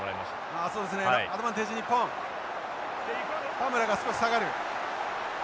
田村が少し下がる。